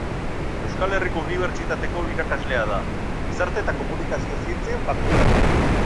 Euskal Herriko Unibertsitateko irakaslea da, Gizarte eta Komunikazio Zientzien Fakultatean.